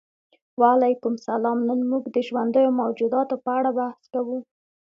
وعلیکم السلام نن موږ د ژوندیو موجوداتو په اړه بحث کوو